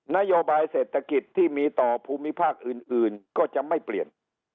นโยบายเศรษฐกิจที่มีต่อภูมิภาคอื่นก็จะไม่เปลี่ยน